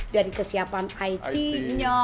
dari kesiapan it nya